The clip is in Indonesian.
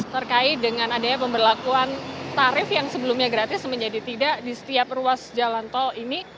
terkait dengan adanya pemberlakuan tarif yang sebelumnya gratis menjadi tidak di setiap ruas jalan tol ini